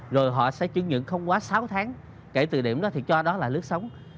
rồi họ sẽ chứng nhận không quá sáu tháng kể từ điểm đó thì cho đó là lướt sóng